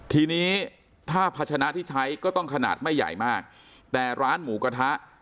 ทีนี้ถ้าพัชนะที่ใช้ก็ต้องขนาดไม่ใหญ่มากแต่ร้านหมูกระทะ